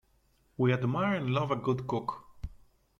We admire and love a good cook.